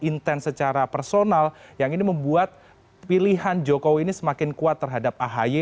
intens secara personal yang ini membuat pilihan jokowi ini semakin kuat terhadap ahy